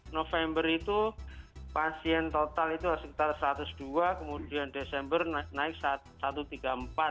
november itu pasien total itu sekitar satu ratus dua kemudian desember naik satu ratus tiga puluh empat